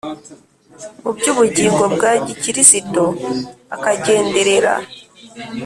Mu by ubugingo bwa gikirisito akagenderera